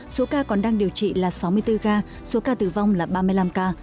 số ca còn đang điều trị là sáu mươi bốn ca số ca tử vong là ba mươi năm ca